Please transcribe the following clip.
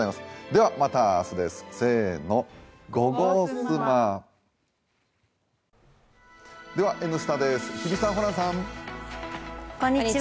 ぷはーっ「Ｎスタ」です日比さん、ホランさん。